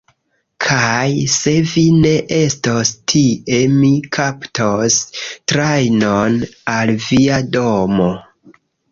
Kaj se vi ne estos tie mi kaptos trajnon al via domo!